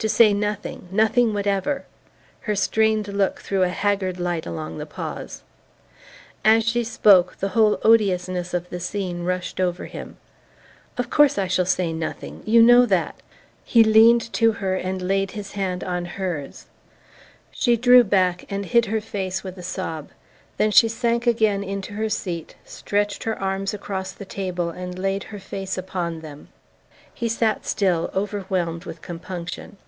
"To say nothing ... nothing whatever..." Her strained look threw a haggard light along the pause. As she spoke, the whole odiousness of the scene rushed over him. "Of course I shall say nothing ... you know that..." He leaned to her and laid his hand on hers. "You know I wouldn't for the world..." She drew back and hid her face with a sob. Then she sank again into her seat, stretched her arms across the table and laid her face upon them. He sat still, overwhelmed with compunction.